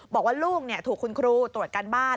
บอกว่าลูกถูกคุณครูตรวจการบ้าน